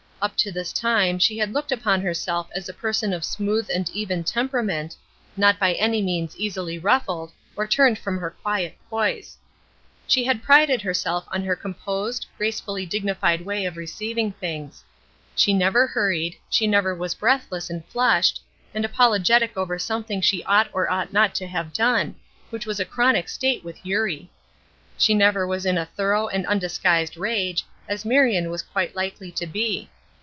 Up to this time she had looked upon herself as a person of smooth and even temperament, not by any means easily ruffled or turned from her quiet poise. She had prided herself on her composed, gracefully dignified way of receiving things. She never hurried, she never was breathless and flushed, and apologetic over something that she ought or ought not to have done, which was a chronic state with Eurie. She never was in a thorough and undisguised rage, as Marion was quite likely to be.